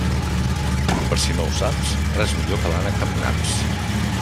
Per si no ho saps, res millor que l'ànec amb naps.